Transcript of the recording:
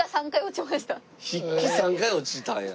筆記３回落ちたんや。